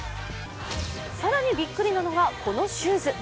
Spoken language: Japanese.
更にびっくりなのがこのシューズ。